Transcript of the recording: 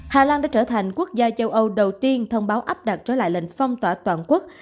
hà lan đã trở thành quốc gia châu âu đầu tiên thông báo áp đặt trở lại lệnh phong tỏa toàn quốc